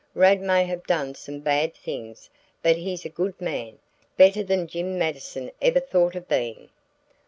Rad may have done some bad things, but he's a good man better than Jim Mattison ever thought of being."